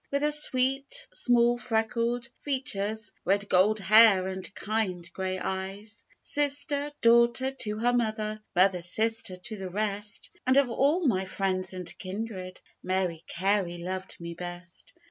With her sweet small freckled features, Red gold hair, and kind grey eyes; Sister, daughter, to her mother, Mother, sister, to the rest And of all my friends and kindred, Mary Carey loved me best.